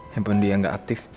hape dia gak aktif